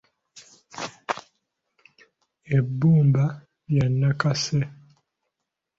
Ebbumba lya nakase.